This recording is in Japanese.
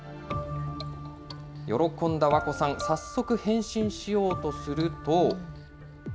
喜んだわこさん、早速、返信しようとすると。